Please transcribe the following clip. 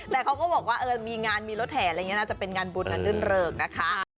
แต่เขาก็บอกว่ามีงานมีรถแถนอาจจะเป็นงานบุญนั้นเริ่มนะคะ